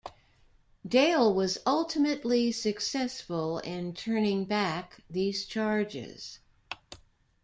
Dail was ultimately successful in turning back these charges.